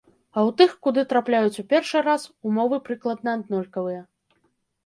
А ў тых, куды трапляюць у першы раз, умовы прыкладна аднолькавыя.